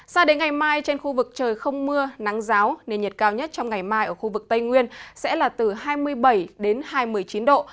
sao đến ngày mai trên khu vực trời không mưa nắng ráo nền nhiệt cao nhất trong ngày mai ở khu vực tây nguyên sẽ là từ hai mươi bảy hai mươi chín độ